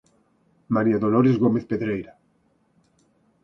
María Dolores Gómez Pedreira.